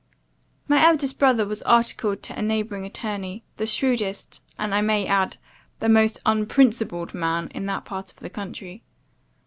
"My eldest brother was articled to a neighbouring attorney, the shrewdest, and, I may add, the most unprincipled man in that part of the country.